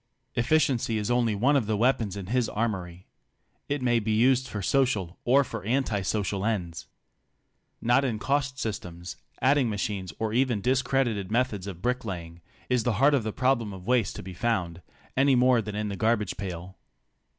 Efficiency is only one of the weapons in his armory. It may be used for social or for anti social ends. Not in cost systems, adding machines or even discredited methods of brick laying, is the heart of the problem of waste to be found, any more than in the garbage pail.